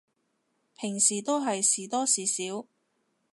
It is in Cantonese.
平時都係時多時少